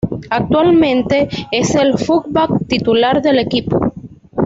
Actualmente es el fullback titular del equipo.